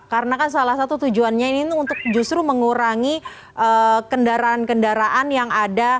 karena kan salah satu tujuannya ini untuk justru mengurangi kendaraan kendaraan yang ada